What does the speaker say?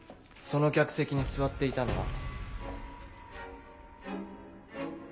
その客席に座っていたのは。